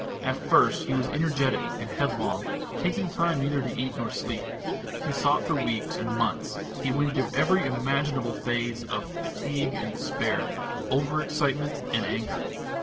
At first he was energetic and headlong, taking time neither to eat nor sleep. He sought for weeks and months, he went through every imaginable phase of fatigue and despair, over excitement and anger.